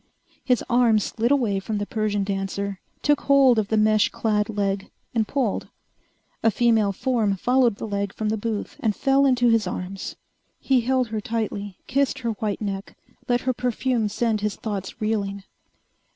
His arm slid away from the Persian dancer, took hold of the mesh clad leg, and pulled. A female form followed the leg from the booth and fell into his arms. He held her tightly, kissed her white neck, let her perfume send his thoughts reeling.